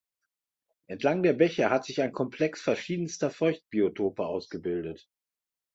Entlang der Bäche hat sich ein Komplex verschiedenster Feuchtbiotope ausgebildet.